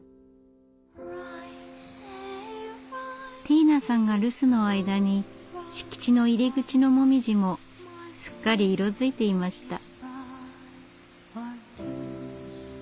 ティーナさんが留守の間に敷地の入り口のモミジもすっかり色づいていました。